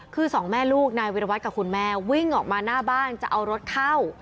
คือสองแม่ลูกนายวิรวัตรกับคุณแม่วิ่งออกมาหน้าบ้านจะเอารถเข้า